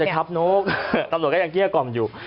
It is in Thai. มาเถอะครับนกตำรวจก็ยังเกี้ยกอมอยู่